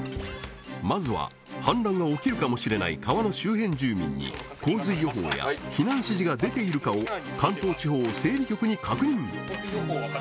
まずは氾濫が起きるかもしれない川の周辺住民に洪水予報や避難指示が出ているかを関東地方整備局に確認